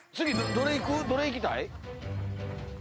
どれいきたい？